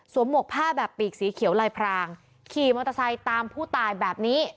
หมวกผ้าแบบปีกสีเขียวลายพรางขี่มอเตอร์ไซค์ตามผู้ตายแบบนี้